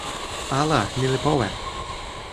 ala! ni li powe!